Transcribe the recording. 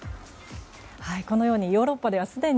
このようにヨーロッパではすでに